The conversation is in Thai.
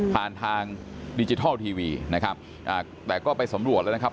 ผ่านทางดิจิทัลทีวีแต่ก็ไปสำรวจแล้วนะครับ